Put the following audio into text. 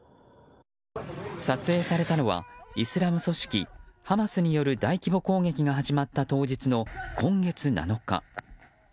撮影されたのはイスラム組織ハマスによる大規模攻撃が始まった当日の今月７日。